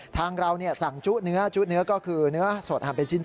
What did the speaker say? ทางเราสั่งจุเนื้อจุเนื้อก็คือเนื้อสดทำเป็นชิ้น